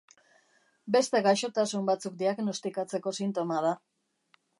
Beste gaixotasun batzuk diagnostikatzeko sintoma da.